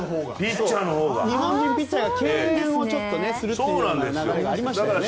日本のピッチャーが敬遠するという流れがありましたよね。